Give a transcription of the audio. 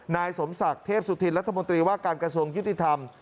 นายสมศักดิ์เทพสุธินรัฐมนตรีว่าการกระทรวงยุติธรรม